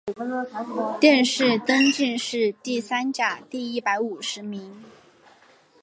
殿试登进士第三甲第一百五十名。